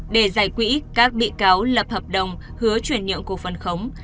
để giải quỹ các bị cáo lập hợp đồng hứa chuyển nhượng cổ phần khống